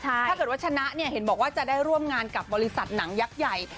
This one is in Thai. ถ้าเกิดว่าชนะเนี่ยเห็นบอกว่าจะได้ร่วมงานกับบริษัทหนังยักษ์ใหญ่